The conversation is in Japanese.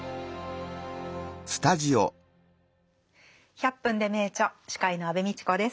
「１００分ｄｅ名著」司会の安部みちこです。